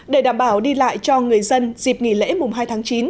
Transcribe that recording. để đảm bảo đi lại cho người dân dịp nghỉ lễ mùng hai tháng chín